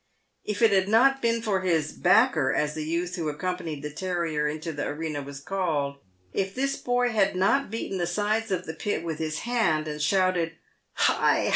If it had not been for his " backer," as the youth who accompanied the terrier into the arena was called — if this boy had not beaten the sides of the pit with his hand, and shouted "Hi!